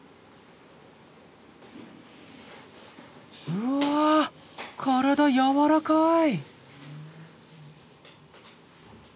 うわ体柔らかい。